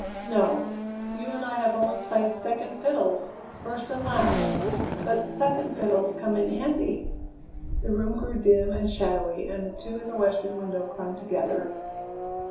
"No. You and I have only played second fiddles, first and last; but second fiddles come in handy!" The room grew dim and shadowy, and the two in the western window clung together.